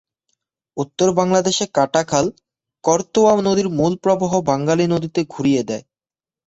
উত্তর বাংলাদেশে কাটা খাল করতোয়া নদীর মূল প্রবাহ বাঙ্গালী নদীতে ঘুরিয়ে দেয়।